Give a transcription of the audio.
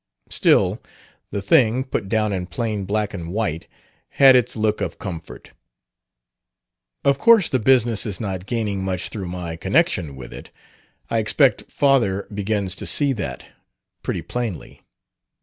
Still, the thing, put down in plain black and white, had its look of comfort. "Of course the business is not gaining much through my connection with it. I expect father begins to see that, pretty plainly.